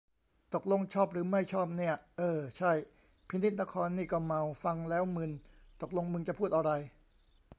ตกลงชอบหรือไม่ชอบเนี่ย เออ ใช่ พินิจนครนี่ก็เมา ฟังแล้วมึน ตกลงมึงจะพูดอะไร